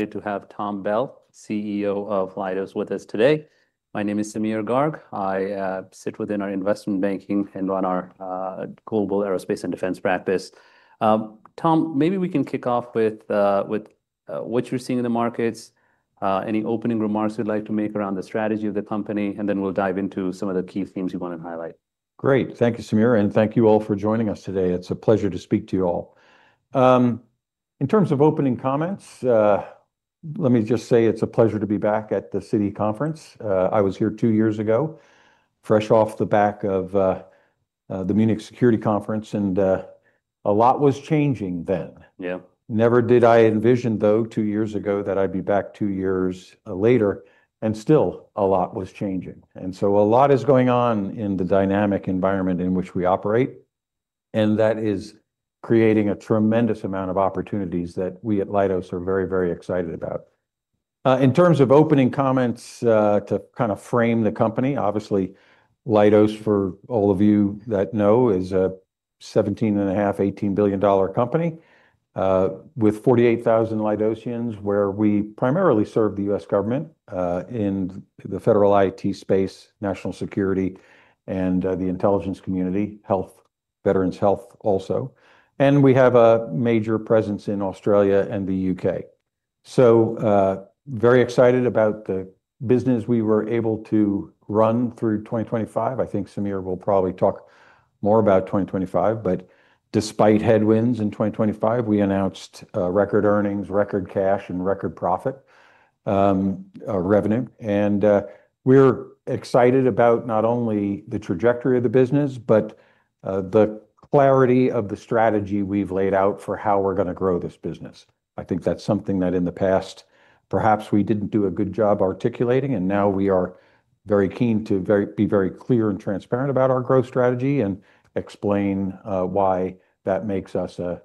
Glad to have Tom Bell, CEO of Leidos, with us today. My name is Sameer Garg. I sit within our investment banking and run our global aerospace and defense practice. Tom, maybe we can kick off with what you're seeing in the markets, any opening remarks you'd like to make around the strategy of the company, and then we'll dive into some of the key themes you wanna highlight. Great. Thank you, Sameer, and thank you all for joining us today. It's a pleasure to speak to you all. In terms of opening comments, let me just say it's a pleasure to be back at the Citi conference. I was here two years ago, fresh off the back of the Munich Security Conference, and a lot was changing then. Never did I envision, though, two years ago, that I'd be back two years later, and still a lot was changing. So a lot is going on in the dynamic environment in which we operate, and that is creating a tremendous amount of opportunities that we at Leidos are very, very excited about. In terms of opening comments, to kind of frame the company, obviously, Leidos, for all of you that know, is a $17.5 billion-$18 billion company, with 48,000 Leidosians, where we primarily serve the U.S. government, in the federal IT space, national security, and, the intelligence community, health, veterans health also. And we have a major presence in Australia and the U.K. So, very excited about the business we were able to run through 2025. I think Sameer will probably talk more about 2025. But despite headwinds in 2025, we announced record earnings, record cash, and record profit, revenue. We're excited about not only the trajectory of the business, but the clarity of the strategy we've laid out for how we're gonna grow this business. I think that's something that, in the past, perhaps we didn't do a good job articulating, and now we are very keen to be very clear and transparent about our growth strategy, and explain why that makes us a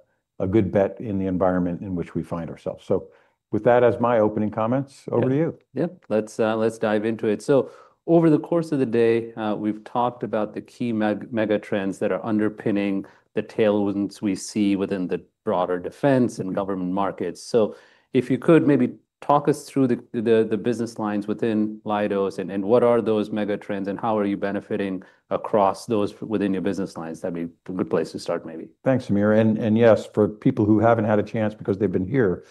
good bet in the environment in which we find ourselves. So with that as my opening comments, over to you. Yeah. Let's dive into it. So over the course of the day, we've talked about the key megatrends that are underpinning the tailwinds we see within the broader defense and government markets. So if you could maybe talk us through the business lines within Leidos, and what are those megatrends, and how are you benefiting across those within your business lines? That'd be a good place to start, maybe. Thanks, Sameer. Yes, for people who haven't had a chance, because they've been here,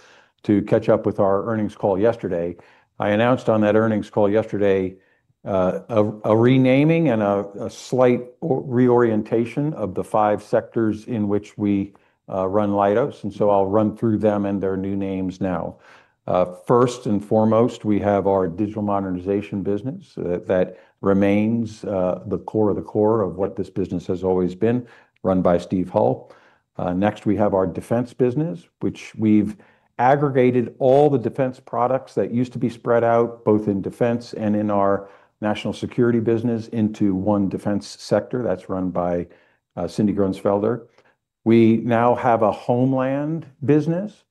to catch up with our earnings call yesterday, I announced on that earnings call yesterday a renaming and a slight reorientation of the five sectors in which we run Leidos, and so I'll run through them and their new names now. First and foremost, we have our digital modernization business that remains the core of the core of what this business has always been, run by Steve Hull. Next, we have our defense business, which we've aggregated all the defense products that used to be spread out, both in defense and in our national security business, into one defense sector. That's run by Cindy Gruensfelder. We now have a homeland business,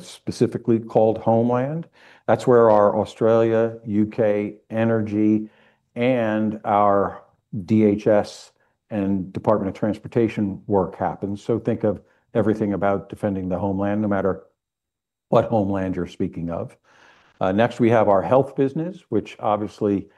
specifically called Homeland. That's where our Australia, U.K., energy, and our DHS and Department of Transportation work happens. So think of everything about defending the homeland, no matter what homeland you're speaking of. Next, we have our health business, which obviously,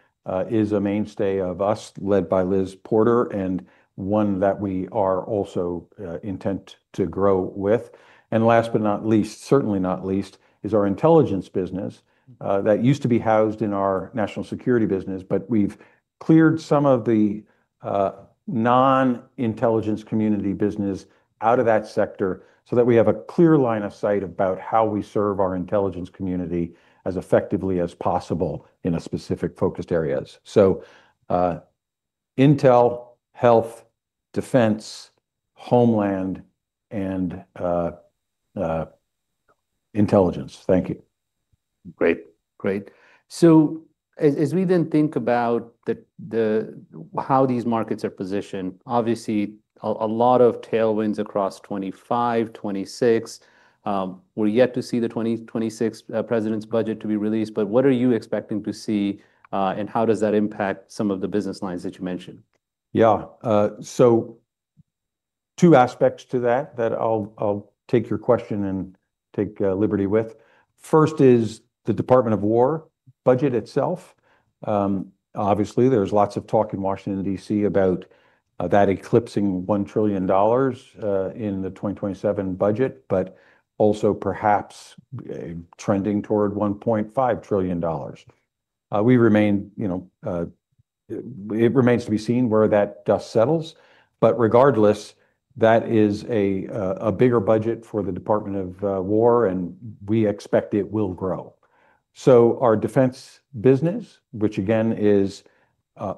is a mainstay of us, led by Liz Porter, and one that we are also, intent to grow with. And last but not least, certainly not least, is our intelligence business, that used to be housed in our national security business, but we've cleared some of the, non-intelligence community business out of that sector so that we have a clear line of sight about how we serve our intelligence community as effectively as possible in a specific focused areas. So, intel, health, defense, homeland, and, intelligence. Thank you. Great. Great. So as we then think about the how these markets are positioned, obviously, a lot of tailwinds across 2025, 2026. We're yet to see the 2026 President's Budget to be released, but what are you expecting to see, and how does that impact some of the business lines that you mentioned? Yeah. So two aspects to that, that I'll take your question and take liberty with. First is the Department of Defense budget itself. Obviously, there's lots of talk in Washington, D.C., about that eclipsing $1 trillion in the 2027 budget, but also perhaps trending toward $1.5 trillion. We remain, you know, it remains to be seen where that dust settles, but regardless, that is a bigger budget for the Department of Defense, and we expect it will grow. So our defense business, which again, is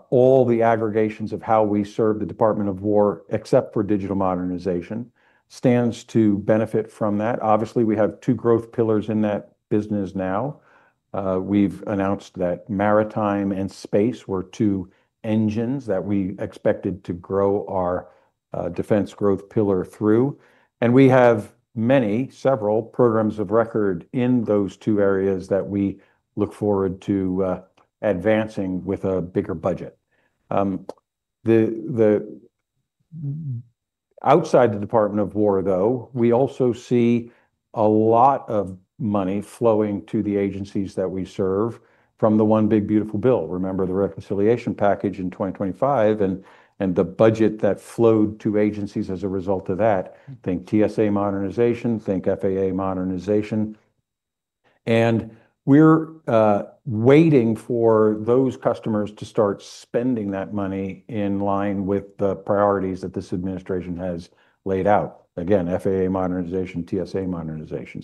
all the aggregations of how we serve the Department of Defense, except for digital modernization, stands to benefit from that. Obviously, we have two growth pillars in that business now. We've announced that maritime and space were two engines that we expected to grow our defense growth pillar through, and we have many, several programs of record in those two areas that we look forward to advancing with a bigger budget. Outside the Department of War, though, we also see a lot of money flowing to the agencies that we serve from the one big, beautiful bill. Remember the reconciliation package in 2025, and the budget that flowed to agencies as a result of that? Think TSA modernization, think FAA modernization. And we're waiting for those customers to start spending that money in line with the priorities that this administration has laid out. Again, FAA modernization, TSA modernization.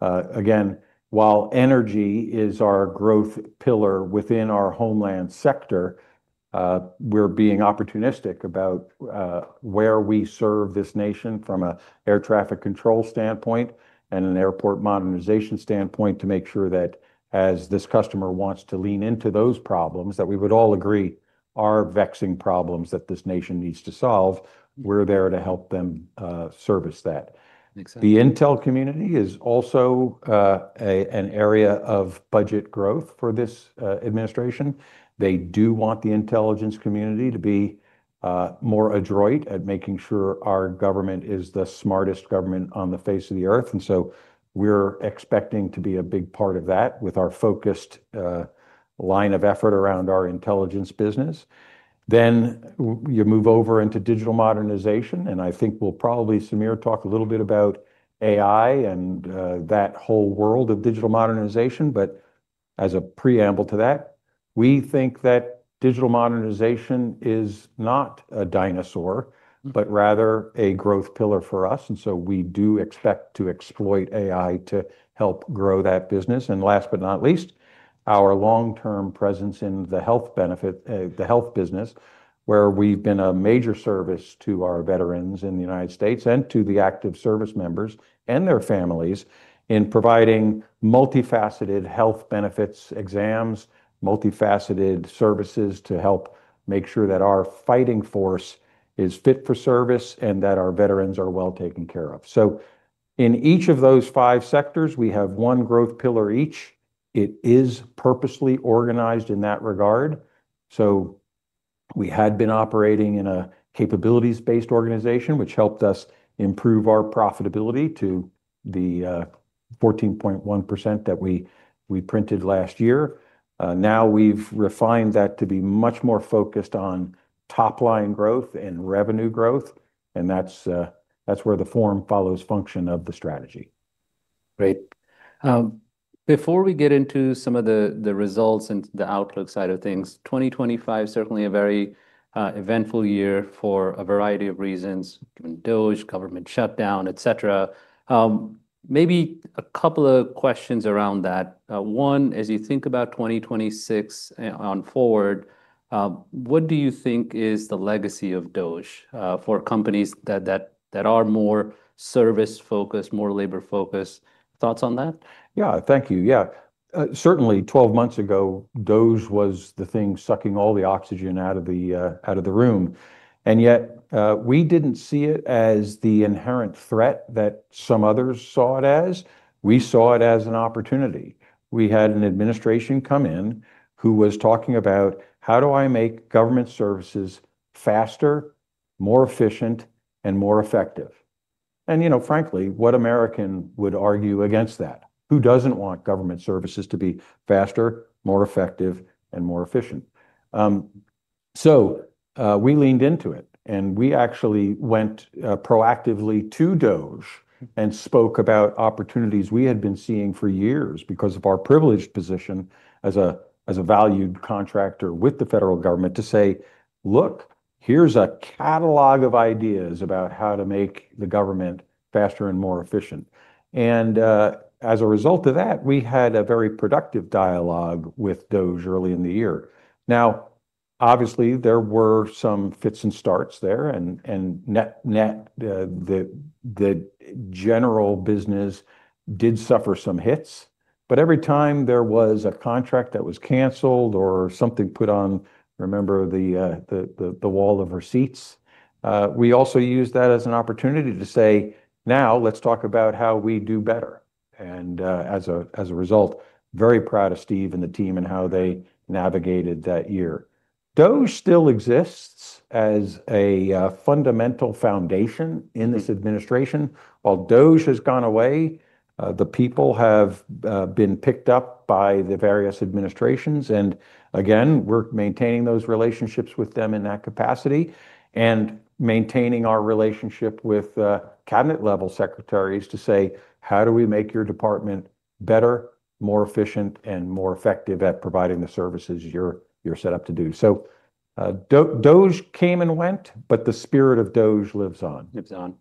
Again, while energy is our growth pillar within our homeland sector, we're being opportunistic about where we serve this nation from an air traffic control standpoint and an airport modernization standpoint, to make sure that as this customer wants to lean into those problems that we would all agree are vexing problems that this nation needs to solve, we're there to help them service that. Excellent. The intel community is also an area of budget growth for this administration. They do want the intelligence community to be more adroit at making sure our government is the smartest government on the face of the earth. And so we're expecting to be a big part of that with our focused line of effort around our intelligence business. Then you move over into digital modernization, and I think we'll probably, Sameer, talk a little bit about AI and that whole world of digital modernization. But as a preamble to that, we think that digital modernization is not a dinosaur, but rather a growth pillar for us, and so we do expect to exploit AI to help grow that business. Last but not least, our long-term presence in the health business, where we've been a major service to our veterans in the United States, and to the active service members and their families, in providing multifaceted health benefits, exams, multifaceted services, to help make sure that our fighting force is fit for service and that our veterans are well taken care of. In each of those five sectors, we have one growth pillar each. It is purposely organized in that regard. We had been operating in a capabilities-based organization, which helped us improve our profitability to the 14.1% that we printed last year. Now we've refined that to be much more focused on top-line growth and revenue growth, and that's where the form follows function of the strategy. Great. Before we get into some of the results and the outlook side of things, 2025, certainly a very, eventful year for a variety of reasons, given DOGE, government shutdown, et cetera. Maybe a couple of questions around that. One, as you think about 2026 on forward, what do you think is the legacy of DOGE, for companies that are more service-focused, more labor-focused? Thoughts on that? Yeah. Thank you. Yeah. Certainly, 12 months ago, DOGE was the thing sucking all the oxygen out of the room, and yet, we didn't see it as the inherent threat that some others saw it as. We saw it as an opportunity. We had an administration come in who was talking about: "How do I make government services faster, more efficient, and more effective?" And, you know, frankly, what American would argue against that? Who doesn't want government services to be faster, more effective, and more efficient? So, we leaned into it, and we actually went proactively to DOGE and spoke about opportunities we had been seeing for years because of our privileged position as a valued contractor with the federal government, to say, "Look, here's a catalog of ideas about how to make the government faster and more efficient." And, as a result of that, we had a very productive dialogue with DOGE early in the year. Now, obviously, there were some fits and starts there, and net-net, the general business did suffer some hits. But every time there was a contract that was canceled or something put on-- Remember the wall of receipts. We also used that as an opportunity to say, "Now, let's talk about how we do better." And as a result, very proud of Steve and the team and how they navigated that year. DOGE still exists as a fundamental foundation in this administration. While DOGE has gone away, the people have been picked up by the various administrations, and again, we're maintaining those relationships with them in that capacity, and maintaining our relationship with cabinet-level secretaries to say, "How do we make your department better, more efficient, and more effective at providing the services you're set up to do?" So, DOGE came and went, but the spirit of DOGE lives on. Lives on.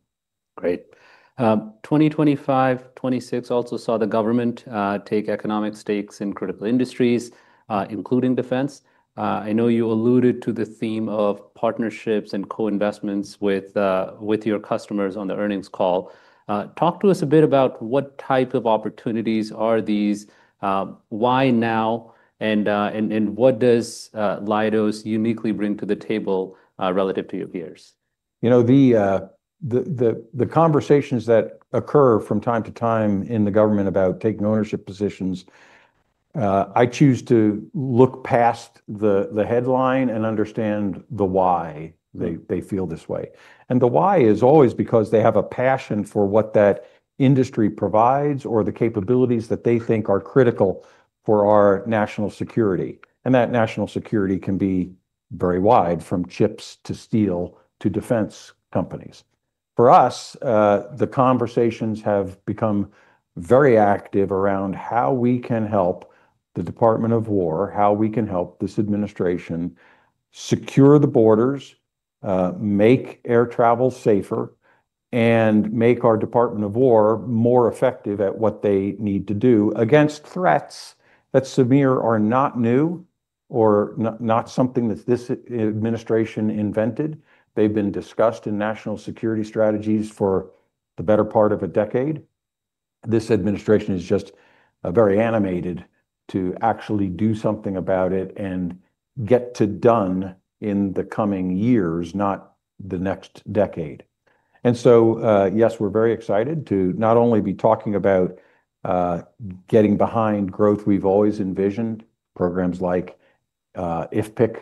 Great. 2025, 2026 also saw the government take economic stakes in critical industries, including defense. I know you alluded to the theme of partnerships and co-investments with your customers on the earnings call. Talk to us a bit about what type of opportunities are these, why now, and what does Leidos uniquely bring to the table, relative to your peers? You know, the conversations that occur from time to time in the government about taking ownership positions, I choose to look past the headline and understand the why they feel this way. And the why is always because they have a passion for what that industry provides or the capabilities that they think are critical for our national security. And that national security can be very wide, from chips to steel to defense companies. For us, the conversations have become very active around how we can help the Department of War, how we can help this administration secure the borders, make air travel safer, and make our Department of War more effective at what they need to do against threats that, Sameer, are not new or not something that this administration invented. They've been discussed in national security strategies for the better part of a decade. This administration is just very animated to actually do something about it and get to done in the coming years, not the next decade. So yes, we're very excited to not only be talking about getting behind growth we've always envisioned, programs like IFPC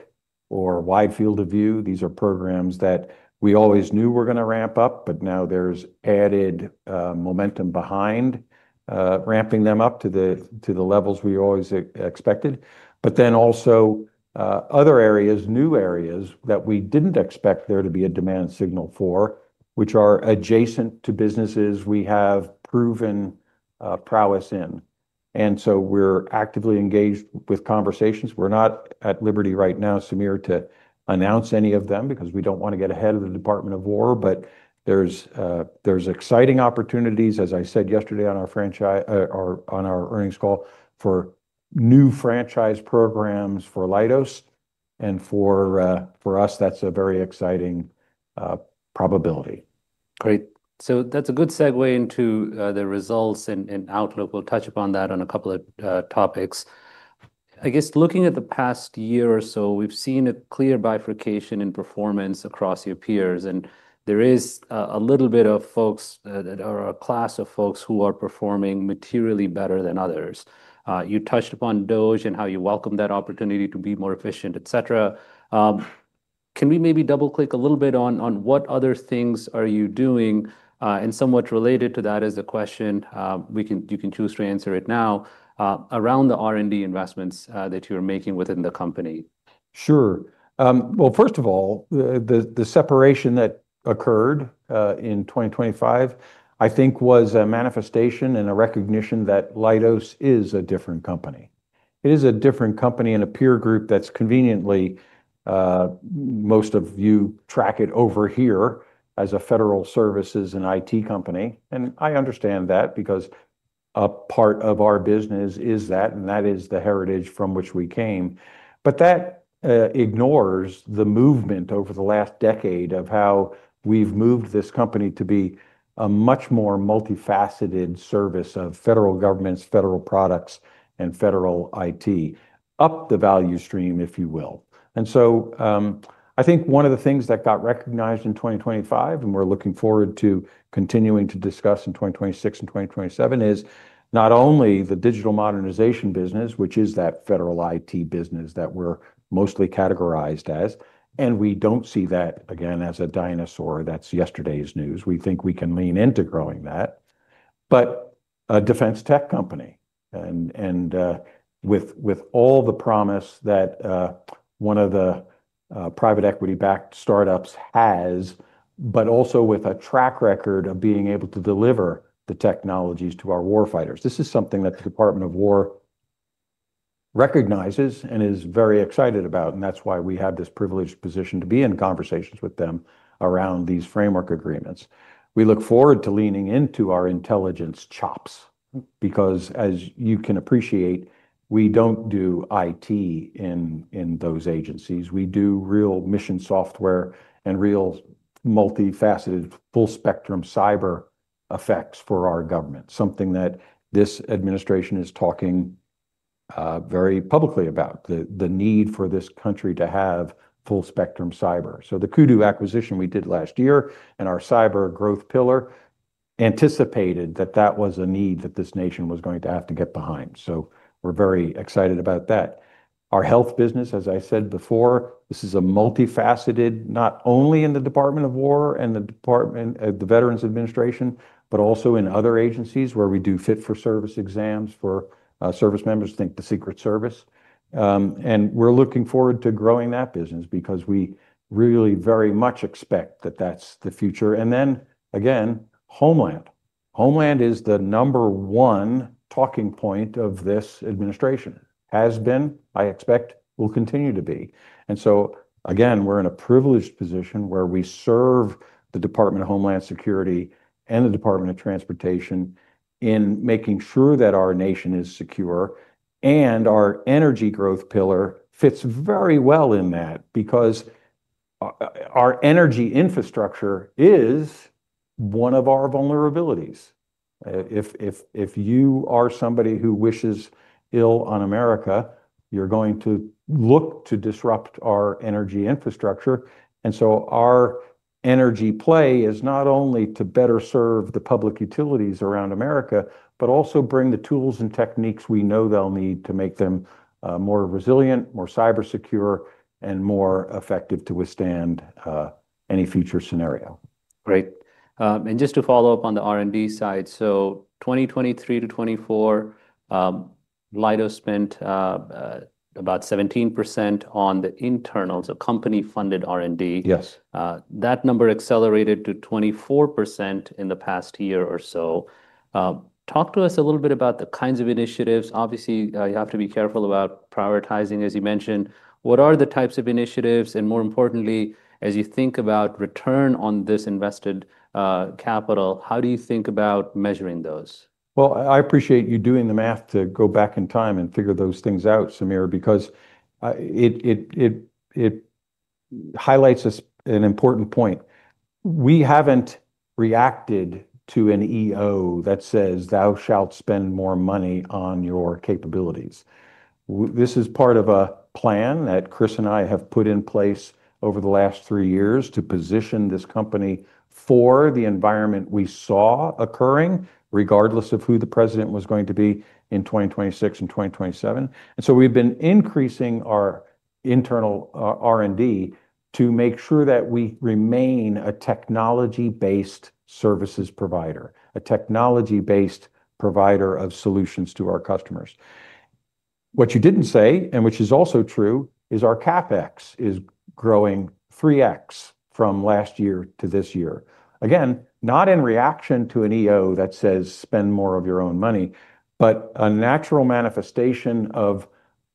or Wide Field of View. These are programs that we always knew were gonna ramp up, but now there's added momentum behind ramping them up to the levels we always expected. But then also other areas, new areas that we didn't expect there to be a demand signal for, which are adjacent to businesses we have proven prowess in. So we're actively engaged with conversations. We're not at liberty right now, Sameer, to announce any of them, because we don't want to get ahead of the Department of War, but there's exciting opportunities, as I said yesterday on our earnings call, for new franchise programs for Leidos, and for us, that's a very exciting probability. Great. So that's a good segue into the results and outlook. We'll touch upon that on a couple of topics. I guess looking at the past year or so, we've seen a clear bifurcation in performance across your peers, and there is a little bit of folks or a class of folks who are performing materially better than others. You touched upon DOGE and how you welcome that opportunity to be more efficient, et cetera. Can we maybe double-click a little bit on what other things are you doing? And somewhat related to that is the question; we can—you can choose to answer it now, around the R&D investments that you're making within the company. Sure. Well, first of all, the separation that occurred in 2025, I think was a manifestation and a recognition that Leidos is a different company. It is a different company and a peer group that's conveniently most of you track it over here as a federal services and IT company. I understand that because a part of our business is that, and that is the heritage from which we came. But that ignores the movement over the last decade of how we've moved this company to be a much more multifaceted service of federal governments, federal products, and federal IT, up the value stream, if you will. So, I think one of the things that got recognized in 2025, and we're looking forward to continuing to discuss in 2026 and 2027, is not only the digital modernization business, which is that federal IT business that we're mostly categorized as, and we don't see that again as a dinosaur, that's yesterday's news. We think we can lean into growing that, but a defense tech company with all the promise that one of the private equity-backed startups has, but also with a track record of being able to deliver the technologies to our war fighters. This is something that the Department of Defense recognizes and is very excited about, and that's why we have this privileged position to be in conversations with them around these framework agreements. We look forward to leaning into our intelligence chops, because, as you can appreciate, we don't do IT in those agencies. We do real mission software and real multifaceted, full-spectrum cyber effects for our government, something that this administration is talking very publicly about, the need for this country to have full-spectrum cyber. So the Kudu acquisition we did last year and our cyber growth pillar anticipated that that was a need that this nation was going to have to get behind. So we're very excited about that. Our health business, as I said before, this is a multifaceted, not only in the Department of War and the Department, the Veterans Administration, but also in other agencies where we do fit-for-service exams for service members, think the Secret Service. And we're looking forward to growing that business because we really very much expect that that's the future. And then, again, Homeland. Homeland is the number one talking point of this administration. Has been, I expect, will continue to be. And so, again, we're in a privileged position where we serve the Department of Homeland Security and the Department of Transportation in making sure that our nation is secure, and our energy growth pillar fits very well in that, because our energy infrastructure is one of our vulnerabilities. If you are somebody who wishes ill on America, you're going to look to disrupt our energy infrastructure. And so our energy play is not only to better serve the public utilities around America, but also bring the tools and techniques we know they'll need to make them more resilient, more cyber secure, and more effective to withstand any future scenario. Great. And just to follow up on the R&D side, so 2023 to 2024, Leidos spent about 17% on the internals, the company-funded R&D. Yes. That number accelerated to 24% in the past year or so. Talk to us a little bit about the kinds of initiatives. Obviously, you have to be careful about prioritizing, as you mentioned. What are the types of initiatives, and more importantly, as you think about return on this invested capital, how do you think about measuring those? Well, I appreciate you doing the math to go back in time and figure those things out, Sameer, because it highlights an important point. We haven't reacted to an EO that says, "Thou shalt spend more money on your capabilities." This is part of a plan that Chris and I have put in place over the last three years to position this company for the environment we saw occurring, regardless of who the president was going to be in 2026 and 2027. And so we've been increasing our internal R&D to make sure that we remain a technology-based services provider, a technology-based provider of solutions to our customers. What you didn't say, and which is also true, is our CapEx is growing 3x from last year to this year. Again, not in reaction to an EO that says, "Spend more of your own money," but a natural manifestation of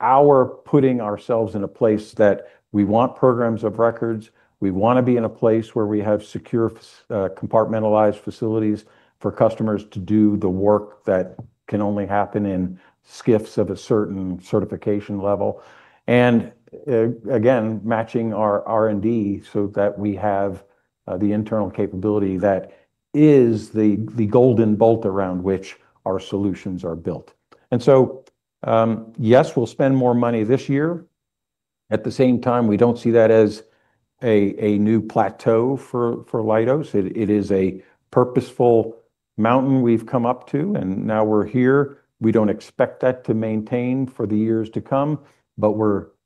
our putting ourselves in a place that we want programs of record. We wanna be in a place where we have secure SCIFs, compartmentalized facilities for customers to do the work that can only happen in SCIFs of a certain certification level. And, again, matching our R&D so that we have the internal capability that is the, the golden bolt around which our solutions are built. And so, yes, we'll spend more money this year. At the same time, we don't see that as a, a new plateau for, for Leidos. It, it is a purposeful mountain we've come up to, and now we're here. We don't expect that to maintain for the years to come, but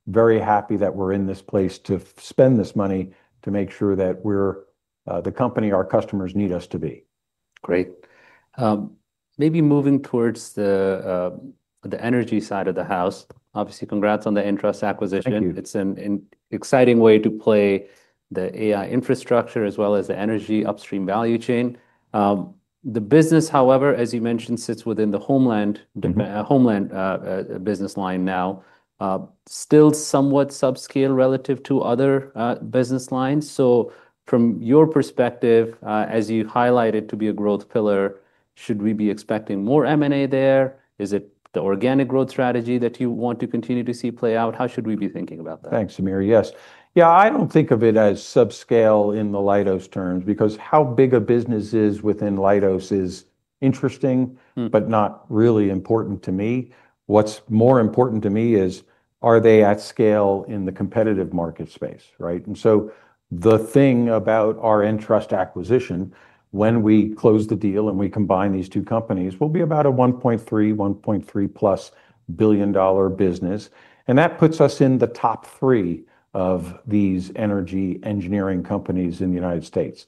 we're very happy that we're in this place to spend this money to make sure that we're the company our customers need us to be. Great. Maybe moving towards the energy side of the house. Obviously, congrats on the ENTRUST acquisition. It's an exciting way to play the AI infrastructure, as well as the energy upstream value chain. The business, however, as you mentioned, sits within the homeland- the homeland business line now. Still somewhat subscale relative to other business lines. So from your perspective, as you highlight it to be a growth pillar, should we be expecting more M&A there? Is it the organic growth strategy that you want to continue to see play out? How should we be thinking about that? Thanks, Sameer. Yeah, I don't think of it as subscale in the Leidos terms, because how big a business is within Leidos is interesting but not really important to me. What's more important to me is, are they at scale in the competitive market space, right? And so the thing about our ENTRUST acquisition, when we close the deal and we combine these two companies, we'll be about a $1.3 billion, $1.3 billion+ business, and that puts us in the top three of these energy engineering companies in the United States.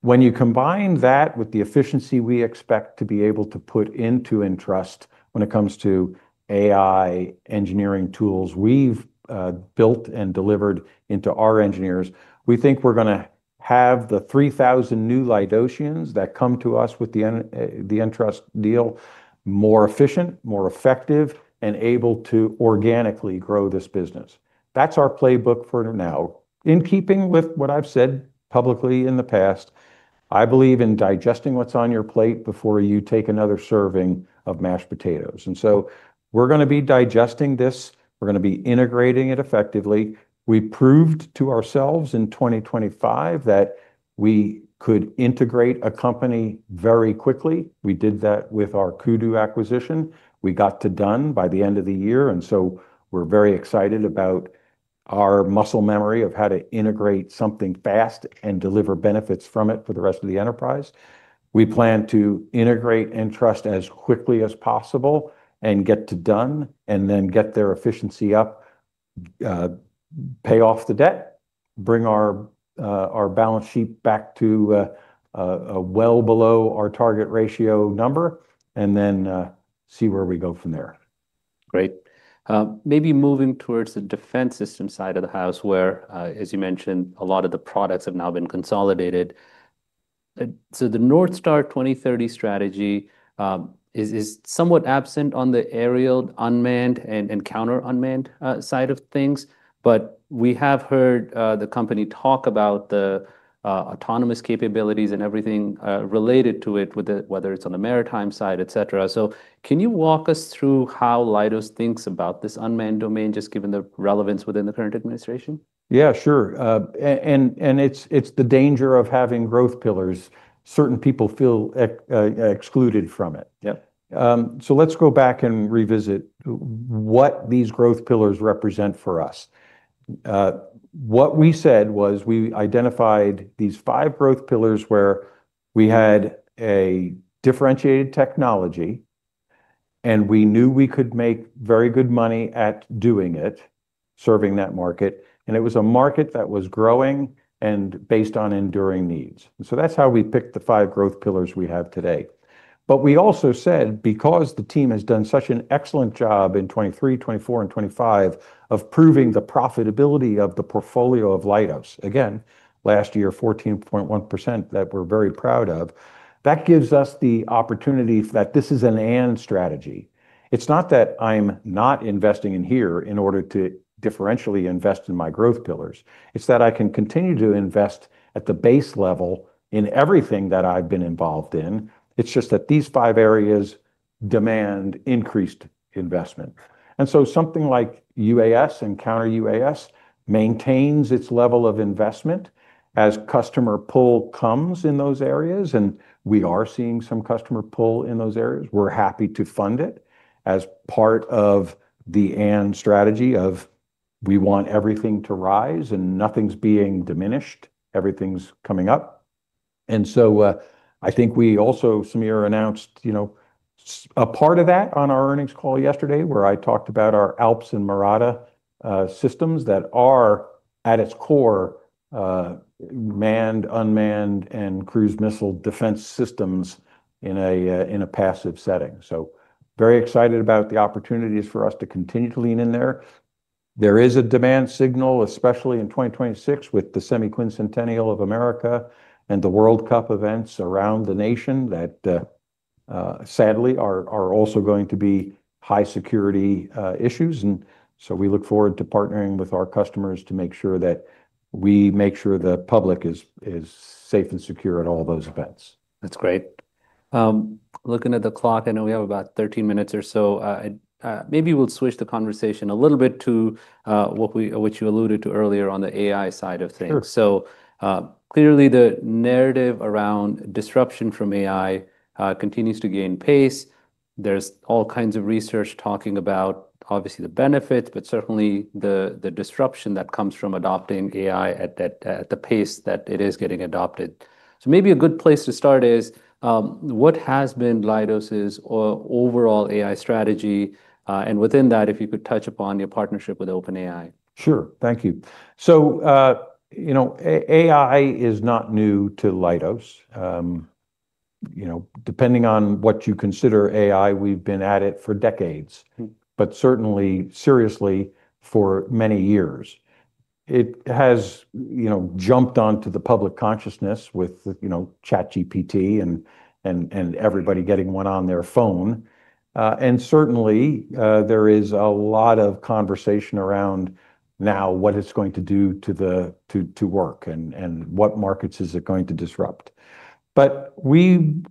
When you combine that with the efficiency we expect to be able to put into ENTRUST when it comes to AI engineering tools we've built and delivered into our engineers, we think we're gonna have the 3,000 new Leidosians that come to us with the ENTRUST deal, more efficient, more effective, and able to organically grow this business. That's our playbook for now. In keeping with what I've said publicly in the past, I believe in digesting what's on your plate before you take another serving of mashed potatoes. And so we're gonna be digesting this. We're gonna be integrating it effectively. We proved to ourselves in 2025 that we could integrate a company very quickly. We did that with our Kudu acquisition. We got to done by the end of the year, and so we're very excited about our muscle memory of how to integrate something fast and deliver benefits from it for the rest of the enterprise. We plan to integrate EnTrust as quickly as possible and get to done, and then get their efficiency up, pay off the debt, bring our, our balance sheet back to, well below our target ratio number, and then, see where we go from there. Great. Maybe moving towards the defense system side of the house, where, as you mentioned, a lot of the products have now been consolidated. So the NorthStar 2030 strategy is somewhat absent on the aerial unmanned and counter unmanned side of things, but we have heard the company talk about the autonomous capabilities and everything related to it, with whether it's on the maritime side, et cetera. So can you walk us through how Leidos thinks about this unmanned domain, just given the relevance within the current administration? Yeah, sure. And it's the danger of having growth pillars. Certain people feel excluded from it. Yep. So let's go back and revisit what these growth pillars represent for us. What we said was we identified these five growth pillars where we had a differentiated technology, and we knew we could make very good money at doing it, serving that market, and it was a market that was growing and based on enduring needs. So that's how we picked the five growth pillars we have today. But we also said, because the team has done such an excellent job in 2023, 2024, and 2025 of proving the profitability of the portfolio of Leidos, again, last year, 14.1% that we're very proud of, that gives us the opportunity that this is an and strategy. It's not that I'm not investing in here in order to differentially invest in my growth pillars, it's that I can continue to invest at the base level in everything that I've been involved in. It's just that these five areas demand increased investment. So something like UAS and counter UAS maintains its level of investment as customer pull comes in those areas, and we are seeing some customer pull in those areas. We're happy to fund it as part of the and strategy of we want everything to rise, and nothing's being diminished, everything's coming up. So, I think we also, Sameer, announced, you know, a part of that on our earnings call yesterday, where I talked about our ALPS and Morata systems that are, at its core, manned, unmanned, and cruise missile defense systems in a passive setting. So very excited about the opportunities for us to continue to lean in there. There is a demand signal, especially in 2026, with the Semiquincentennial of America and the World Cup events around the nation, that sadly are also going to be high security issues. And so we look forward to partnering with our customers to make sure that we make sure the public is safe and secure at all those events. That's great. Looking at the clock, I know we have about 13 minutes or so. Maybe we'll switch the conversation a little bit to, which you alluded to earlier on the AI side of things. So, clearly, the narrative around disruption from AI continues to gain pace. There's all kinds of research talking about, obviously, the benefits, but certainly the disruption that comes from adopting AI at the pace that it is getting adopted. So maybe a good place to start is, what has been Leidos' or overall AI strategy, and within that, if you could touch upon your partnership with OpenAI? Sure. Thank you. So, you know, AI is not new to Leidos. You know, depending on what you consider AI, we've been at it for decades. but certainly, seriously, for many years. It has, you know, jumped onto the public consciousness with, you know, ChatGPT and everybody getting one on their phone. And certainly, there is a lot of conversation around now what it's going to do to the work and what markets is it going to disrupt. But we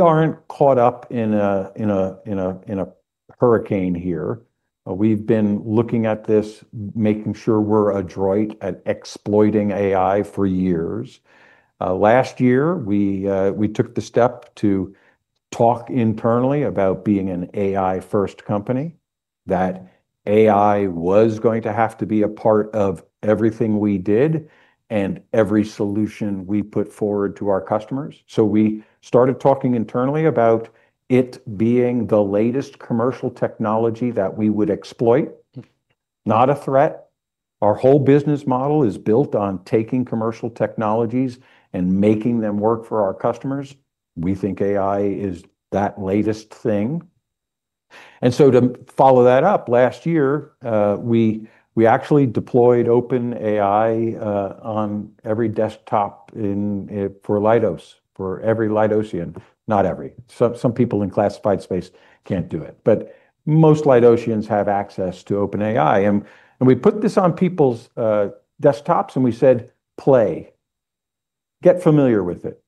aren't caught up in a hurricane here. We've been looking at this, making sure we're adroit at exploiting AI for years. Last year, we took the step to talk internally about being an AI-first company, that AI was going to have to be a part of everything we did and every solution we put forward to our customers. So we started talking internally about it being the latest commercial technology that we would exploit. Not a threat. Our whole business model is built on taking commercial technologies and making them work for our customers. We think AI is that latest thing. To follow that up, last year, we actually deployed OpenAI on every desktop for Leidos, for every Leidosian. Not every. Some people in classified space can't do it, but most Leidosians have access to OpenAI. We put this on people's desktops, and we said, "Play. Get familiar with it."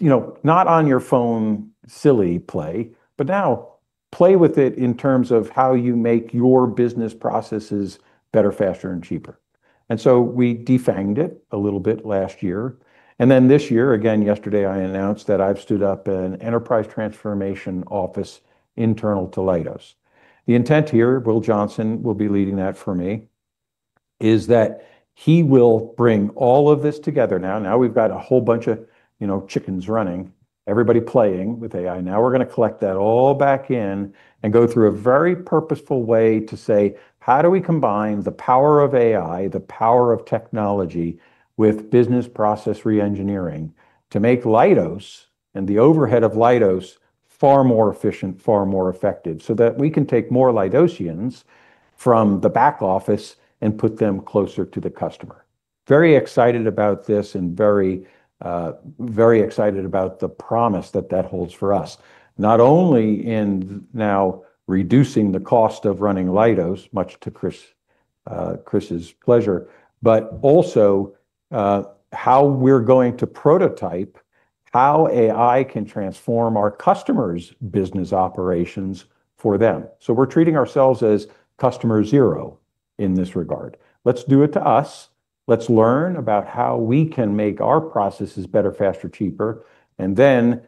You know, not on your phone, silly play, but now play with it in terms of how you make your business processes better, faster, and cheaper. We defanged it a little bit last year, and this year, again, yesterday, I announced that I've stood up an enterprise transformation office internal to Leidos. The intent here, Will Johnson will be leading that for me, is that he will bring all of this together now. Now, we've got a whole bunch of, you know, chickens running, everybody playing with AI. Now, we're gonna collect that all back in and go through a very purposeful way to say: How do we combine the power of AI, the power of technology, with business process reengineering to make Leidos and the overhead of Leidos far more efficient, far more effective, so that we can take more Leidosians from the back office and put them closer to the customer. Very excited about this and very, very excited about the promise that that holds for us, not only in now reducing the cost of running Leidos, much to Chris, Chris's pleasure, but also, how we're going to prototype, how AI can transform our customers' business operations for them. So we're treating ourselves as customer zero in this regard. Let's do it to us. Let's learn about how we can make our processes better, faster, cheaper, and then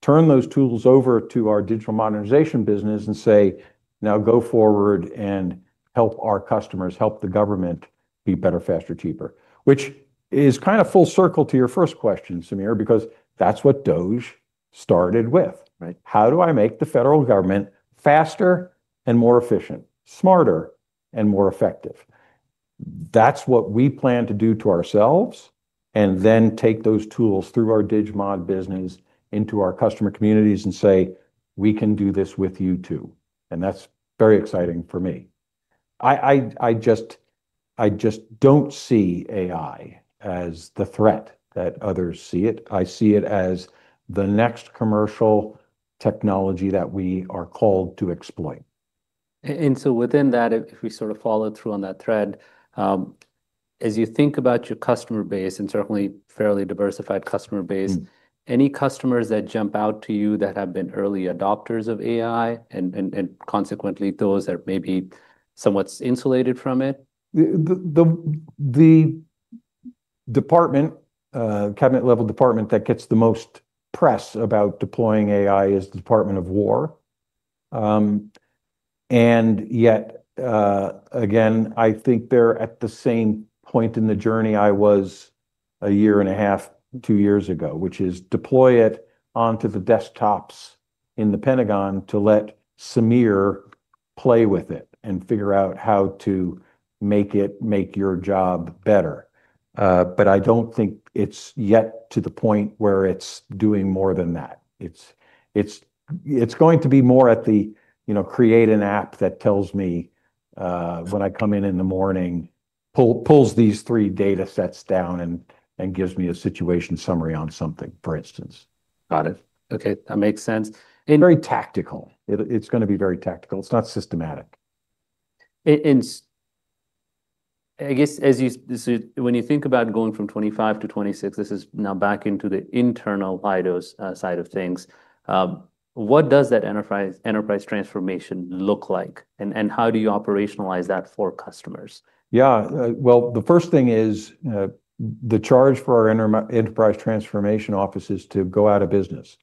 turn those tools over to our digital modernization business and say, "Now go forward and help our customers, help the government be better, faster, cheaper." Which is kind of full circle to your first question, Sameer, because that's what DOGE started with. How do I make the federal government faster and more efficient, smarter and more effective? That's what we plan to do to ourselves, and then take those tools through our Dig Mod business into our customer communities and say, "We can do this with you, too." And that's very exciting for me. I just don't see AI as the threat that others see it. I see it as the next commercial technology that we are called to exploit. And so within that, if we sort of follow through on that thread, as you think about your customer base, and certainly fairly diversified customer base. Any customers that jump out to you that have been early adopters of AI, and consequently, those that may be somewhat insulated from it? The department, cabinet-level department that gets the most press about deploying AI is the Department of War. And yet, again, I think they're at the same point in the journey I was a year and a half, two years ago, which is deploy it onto the desktops in the Pentagon to let Sameer play with it and figure out how to make it make your job better. But I don't think it's yet to the point where it's doing more than that. It's going to be more at the, you know, create an app that tells me, when I come in in the morning, pulls these three data sets down and gives me a situation summary on something, for instance. Got it. Okay, that makes sense. Very tactical. It's gonna be very tactical. It's not systematic. I guess, as you-- when you think about going from 2025 to 2026, this is now back into the internal Leidos side of things, what does that enterprise enterprise transformation look like, and, and how do you operationalize that for customers? Yeah. Well, the first thing is, the charge for our enterprise transformation office is to go out of business.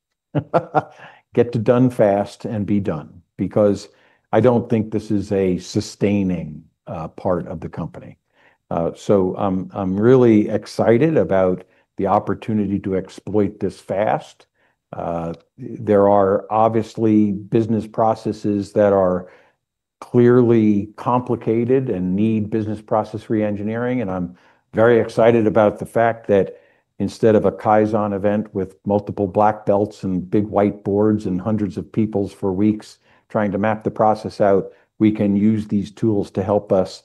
Get it done fast and be done, because I don't think this is a sustaining part of the company. So, I'm really excited about the opportunity to exploit this fast. There are obviously business processes that are clearly complicated and need business process reengineering, and I'm very excited about the fact that instead of a Kaizen event with multiple black belts and big white boards and hundreds of peoples for weeks trying to map the process out, we can use these tools to help us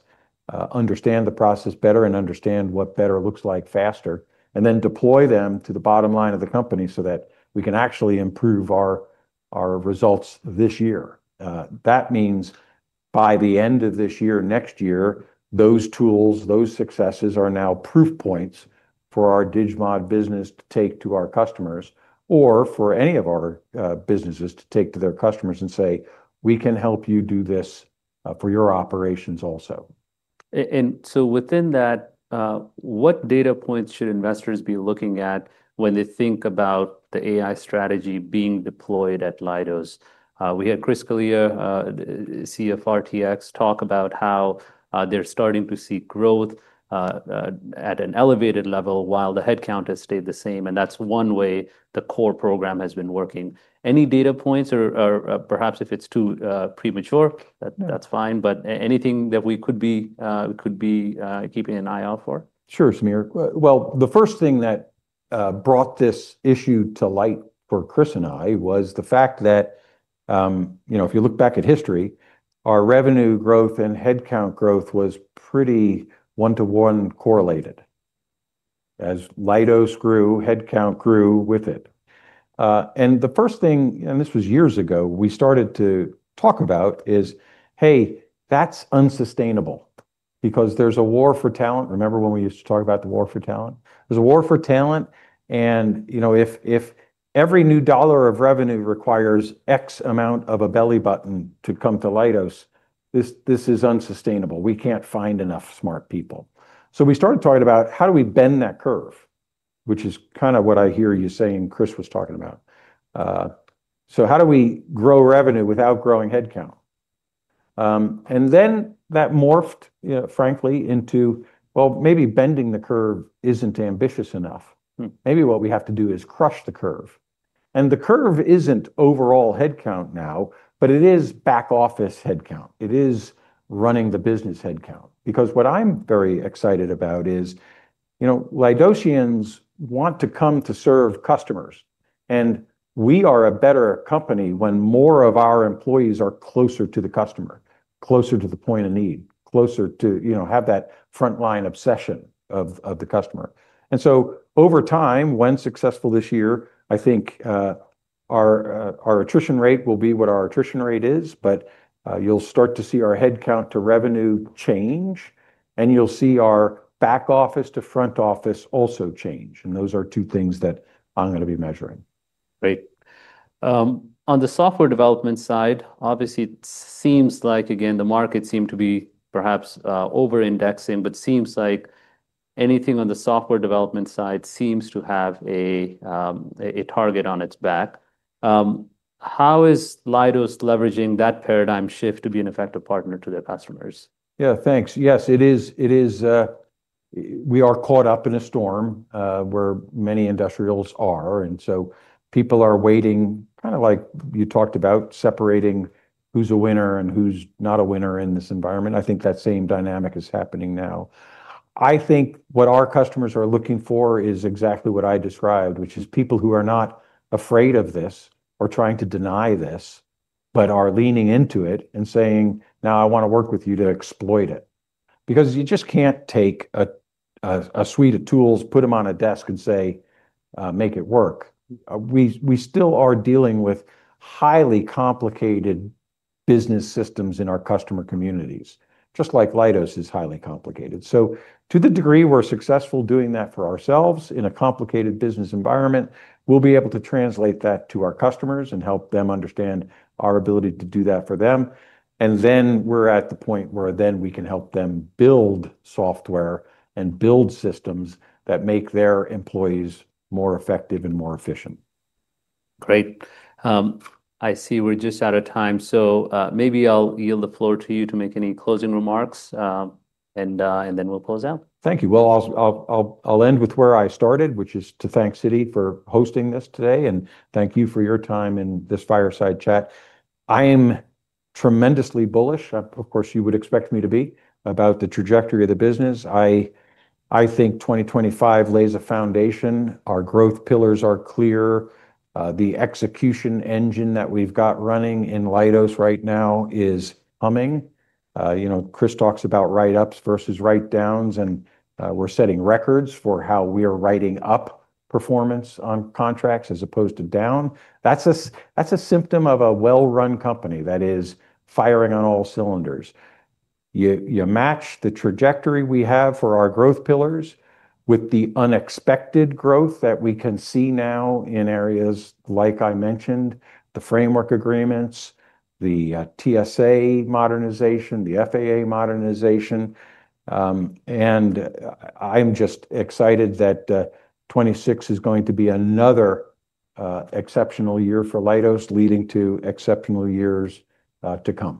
understand the process better and understand what better looks like faster, and then deploy them to the bottom line of the company so that we can actually improve our results this year. That means by the end of this year, next year, those tools, those successes, are now proof points for our DigMod business to take to our customers, or for any of our, businesses to take to their customers and say, "We can help you do this, for your operations also. And so within that, what data points should investors be looking at when they think about the AI strategy being deployed at Leidos? We had Chris Scalia, CFO of RTX, talk about how they're starting to see growth at an elevated level while the head count has stayed the same, and that's one way the core program has been working. Any data points or perhaps if it's too premature that's fine, but anything that we could be keeping an eye out for? Sure, Sameer. Well, the first thing that brought this issue to light for Chris and I was the fact that, you know, if you look back at history, our revenue growth and head count growth was pretty one-to-one correlated. As Leidos grew, head count grew with it. The first thing, and this was years ago, we started to talk about is, "Hey, that's unsustainable," because there's a war for talent. Remember when we used to talk about the war for talent? There's a war for talent, and, you know, if every new dollar of revenue requires X amount of a belly button to come to Leidos, this is unsustainable. We can't find enough smart people. We started talking about, how do we bend that curve? Which is kind of what I hear you saying Chris was talking about. How do we grow revenue without growing head count? Then that morphed, you know, frankly, into, well, maybe bending the curve isn't ambitious enough. Maybe what we have to do is crush the curve. The curve isn't overall head count now, but it is back office head count. It is running the business head count. Because what I'm very excited about is, you know, Leidosians want to come to serve customers, and we are a better company when more of our employees are closer to the customer, closer to the point of need, closer to, you know, have that frontline obsession of the customer. So over time, when successful this year, I think our attrition rate will be what our attrition rate is, but you'll start to see our head count to revenue change, and you'll see our back office to front office also change, and those are two things that I'm gonna be measuring. Great. On the software development side, obviously it seems like, again, the market seemed to be perhaps over-indexing, but anything on the software development side seems to have a target on its back. How is Leidos leveraging that paradigm shift to be an effective partner to their customers? Yeah, thanks. Yes, it is, we are caught up in a storm, where many industrials are, and so people are waiting, kind of like you talked about, separating who's a winner and who's not a winner in this environment. I think that same dynamic is happening now. I think what our customers are looking for is exactly what I described, which is people who are not afraid of this or trying to deny this, but are leaning into it and saying, "Now I wanna work with you to exploit it." Because you just can't take a suite of tools, put them on a desk and say, uh, "Make it work." We still are dealing with highly complicated business systems in our customer communities, just like Leidos is highly complicated. To the degree we're successful doing that for ourselves in a complicated business environment, we'll be able to translate that to our customers and help them understand our ability to do that for them. Then we're at the point where then we can help them build software and build systems that make their employees more effective and more efficient. Great. I see we're just out of time, so, maybe I'll yield the floor to you to make any closing remarks, and, and then we'll close out. Thank you. Well, I'll end with where I started, which is to thank Citi for hosting this today, and thank you for your time in this fireside chat. I am tremendously bullish, of course, you would expect me to be, about the trajectory of the business. I think 2025 lays a foundation. Our growth pillars are clear. The execution engine that we've got running in Leidos right now is humming. You know, Chris talks about write-ups versus write-downs, and we're setting records for how we are writing up performance on contracts as opposed to down. That's a symptom of a well-run company that is firing on all cylinders. You match the trajectory we have for our growth pillars with the unexpected growth that we can see now in areas, like I mentioned, the framework agreements, the TSA modernization, the FAA modernization. And I'm just excited that 2026 is going to be another exceptional year for Leidos, leading to exceptional years to come.